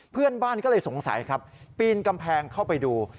เพื่อนบ้านก็เลยสงสัยครับปีนกำแพงเข้าไปดู